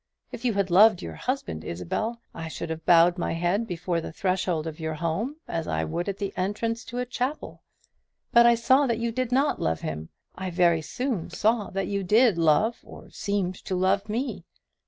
If you had loved your husband, Isabel, I should have bowed my head before the threshold of your home, as I would at the entrance to a chapel. But I saw that you did not love him; I very soon saw that you did love, or seemed to love, me.